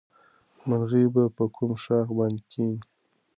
مرغۍ به په کوم ښاخ باندې کېني؟